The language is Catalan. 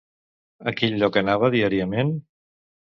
A quin lloc anava diàriament?